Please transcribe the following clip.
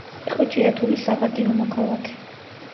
იყო ჭიათურის საპატიო მოქალაქე.